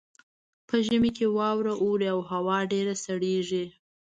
په ژمي کې واوره اوري او هوا ډیره سړیږي